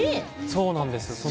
そうなんです。